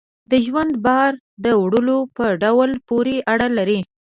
د ژوند بار د وړلو په ډول پورې اړه لري.